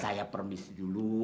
saya permis dulu